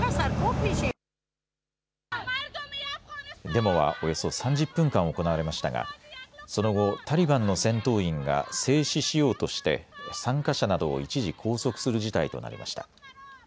デモはおよそ３０分間行われましたがその後、タリバンの戦闘員が制止しようとして参加者などを一時拘束する事態となりました。